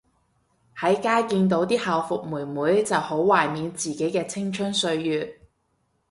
喺街見到啲校服妹妹就好懷緬自己嘅青春歲月